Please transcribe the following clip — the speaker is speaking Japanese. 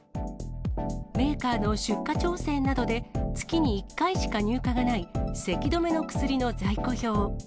メーカーの出荷調整などで、月に１回しか入荷がないせき止めの薬の在庫表。